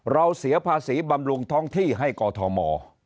เสียภาษีบำรุงท้องที่ให้กอทม